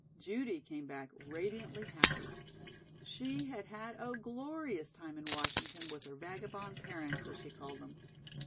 Judy came back radiantly happy. She had had a glorious time in Washington with her "vagabond" parents, as she called them.